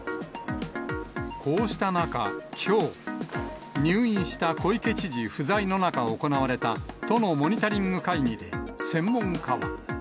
こうした中、きょう、入院した小池知事不在の中行われた、都のモニタリング会議で、専門家は。